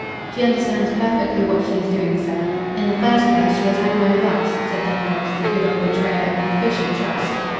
"She understands perfectly what she is doing, sir. In the first place, she has had my advice," said Dangloss, the good old betrayer of an official trust.